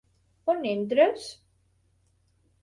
On entres?